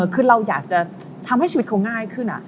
คือเราอยากจะทำให้ชีวิตเขาง่ายขึ้น